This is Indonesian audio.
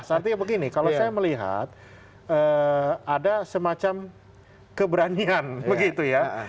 artinya begini kalau saya melihat ada semacam keberanian begitu ya